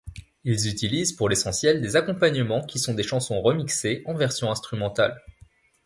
Ils utilisent pour l'essentiel des accompagnements qui sont des chansons remixées en versions instrumentales.